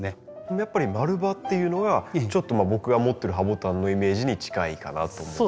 やっぱり丸葉っていうのがちょっと僕が持ってるハボタンのイメージに近いかなと思うんですね。